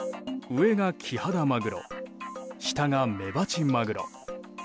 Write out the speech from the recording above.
上がキハダマグロ下がメバチマグロ。